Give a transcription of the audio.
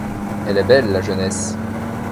Elle est belle, la jeunesse.